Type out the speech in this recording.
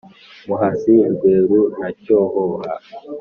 muhazi, rweru na cyohoha,